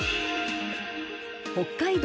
北海道・